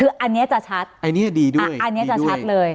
คืออันนี้จะชัดอันนี้จะดีด้วยอันนี้จะชัดเลย